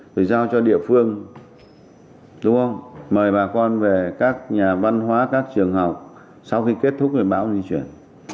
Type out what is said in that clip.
rồi giao cho địa phương đúng không mời bà con về các nhà văn hóa các trường học sau khi kết thúc với bão di chuyển